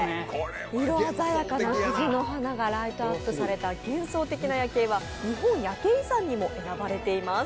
色鮮やかな藤の花がライトアップされた幻想的な夜景は日本夜景遺産にも選ばれています。